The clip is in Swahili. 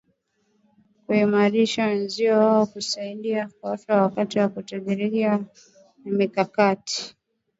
kuimarisha uwezo wao wa kusaidia kufaulu kwa harakati za utekelezaji wa mikakati